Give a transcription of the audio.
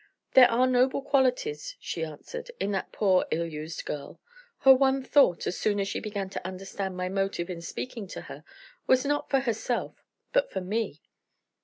"There are noble qualities," she answered, "in that poor ill used girl. Her one thought, as soon as she began to understand my motive in speaking to her, was not for herself, but for me.